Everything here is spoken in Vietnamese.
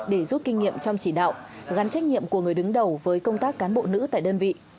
để rút kinh nghiệm trong chỉ đạo gắn trách nhiệm của người đứng đầu với công tác cán bộ nữ tại đơn vị